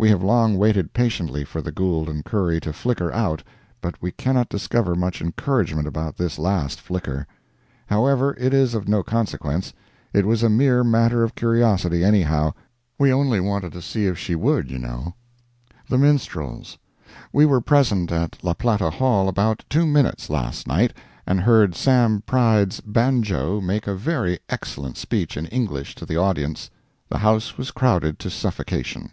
We have long waited patiently for the Gould & Curry to flicker out, but we cannot discover much encouragement about this last flicker. However, it is of no consequence—it was a mere matter of curiosity anyhow; we only wanted to see if she would, you know. THE MINSTRELS.—We were present at La Plata Hall about two minutes last night, and heard Sam. Pride's banjo make a very excellent speech in English to the audience. The house was crowded to suffocation.